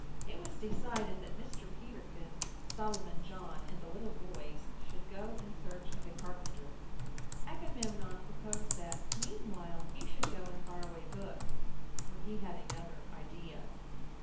It was decided that Mr. Peterkin, Solomon John, and the little boys should go in search of a carpenter. Agamemnon proposed that, meanwhile, he should go and borrow a book; for he had another idea.